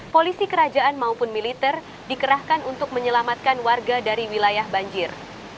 polisi kerajaan maupun militer dikerahkan untuk menyelamatkan warga dari wilayah banjir